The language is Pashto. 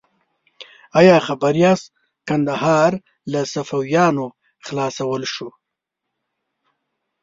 ایا خبر یاست کندهار له صفویانو خلاصول شو؟